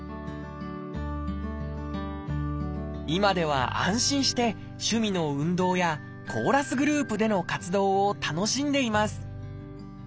今では安心して趣味の運動やコーラスグループでの活動を楽しんでいます。